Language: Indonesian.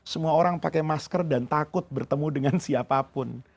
semua orang pakai masker dan takut bertemu dengan siapapun